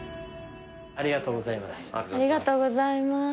ありがとうございます。